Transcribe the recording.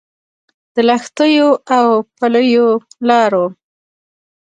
د لښتيو او پلیو لارو